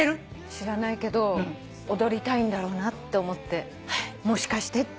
知らないけど踊りたいんだろうなって思ってもしかしてって思ってるの。